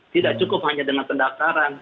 tidak cukup hanya dengan pendaftaran